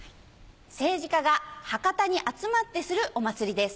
政治家が博多に集まってするお祭りです。